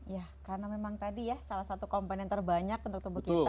ya karena memang tadi ya salah satu komponen terbanyak untuk tubuh kita